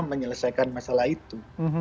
menyelesaikan masalah itu